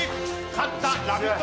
勝った「ラヴィット！」